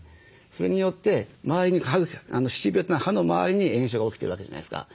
それによって周りに歯周病というのは歯の周りに炎症が起きてるわけじゃないですか。